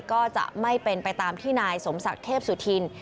ก็จะไม่เป็นไปตามที่นายสมศักดิ์เทพสุธิน